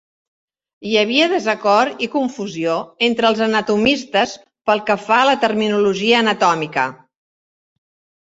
Hi havia desacord i confusió entre els anatomistes pel que fa a la terminologia anatòmica.